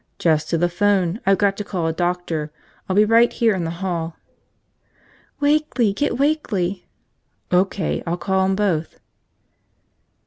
"Just to the phone. I've got to call a doctor. I'll be right here in the hall." "Wakeley! Get Wakeley." "O.K., I'll call 'em both."